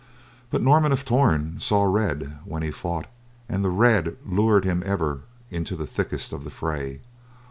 But Norman of Torn saw red when he fought and the red lured him ever on into the thickest of the fray.